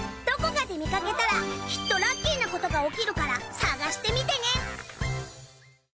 どこかで見かけたらきっとラッキーなことが起きるから探してみてね！